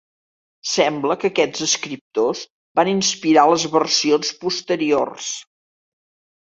Sembla que aquests escriptors van inspirar les versions posteriors.